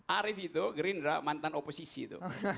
arief itu gerindra mantan oposisi itu